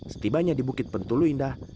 setibanya di bukit pentulu indah